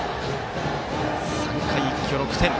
３回、一挙６点。